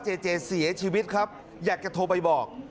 เจเจเสียชีวิตครับอยากจะโทรไปบอก